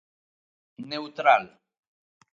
Neutral.